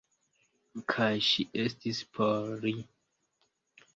Kaj Ŝi estis por Li.